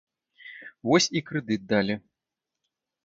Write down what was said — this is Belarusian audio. Вось і крэдыт далі.